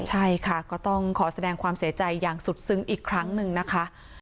ใช่ค่ะก็ต้องขอแสดงความเสียใจอย่างสุดซึ้งอีกครั้งหนึ่งนะคะ